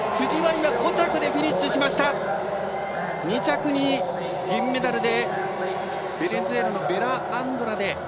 ２着に銀メダルでベネズエラのベラアンドラデ。